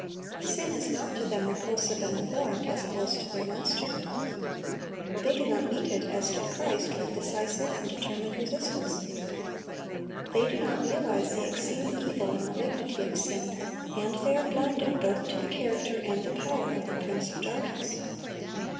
Sin is not to them repulsive and abhorrent, as it was to their Master. They do not meet it, as did Christ, with decisive and determined resistance. They do not realize the exceeding evil and malignity of sin, and they are blinded both to the character and the power of the prince of darkness.